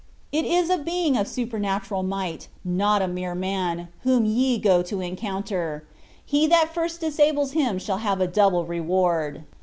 It is a being of supernatural might, not a mere man, whom ye go to encounter. He that first disables him shall have a double reward."